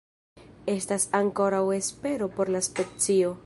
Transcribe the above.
Estas ankoraŭ espero por la specio.